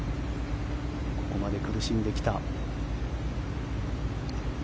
ここまで苦しんできた。